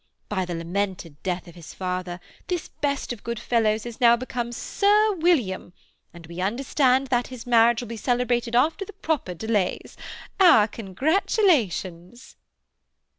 By the lamented death of his father, this best of good fellows has now become Sir William, and we understand that his marriage will be celebrated after the proper delays. Our congratulations!"